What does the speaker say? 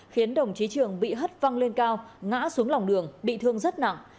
khiến đồng chí trường bị hất văng lên cao ngã xuống lòng đường bị thương rất nặng